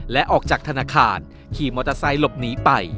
และออกจากธนาคารขี่มอเตอร์ไซค์หลบหนีไป